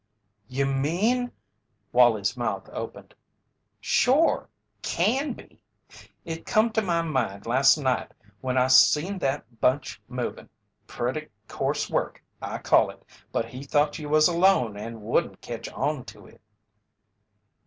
"You mean " Wallie's mouth opened. "Shore Canby! It come to my mind last night when I seen that bunch movin'. Pretty coarse work I call it, but he thought you was alone and wouldn't ketch on to it."